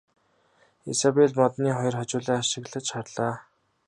Изабель модны хоёр хожуулаа ажиглан харлаа.